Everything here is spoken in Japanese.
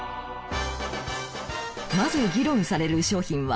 まず議論される商品は